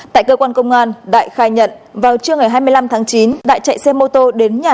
tại cơ quan công an đại khai nhận vào trưa ngày hai mươi năm tháng chín đại chạy xe mô tô đến nhà